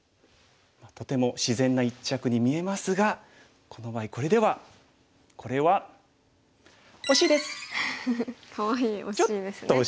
とても自然な一着に見えますがこの場合これではこれはかわいい「おしい」ですね。